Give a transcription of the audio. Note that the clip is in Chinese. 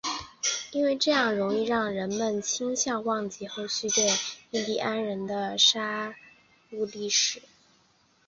因为这样容易让人们倾向忘记后续对印第安人的杀戮历史。